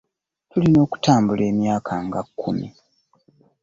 Tulina kutambula emyaka nga kkumi.